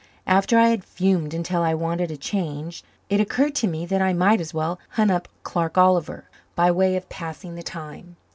After I had fumed until I wanted a change, it occurred to me that I might as well hunt up Clark Oliver by way of passing the time.